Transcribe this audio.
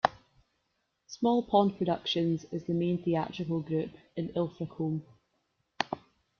Small Pond Productions is the main theatrical group in Ilfracombe.